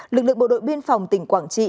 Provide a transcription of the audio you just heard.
lực lượng bộ đội biên phòng tỉnh quảng trị